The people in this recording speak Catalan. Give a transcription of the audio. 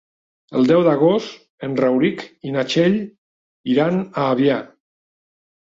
El deu d'agost en Rauric i na Txell iran a Avià.